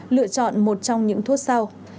lựa chọn một trong những thuốc sau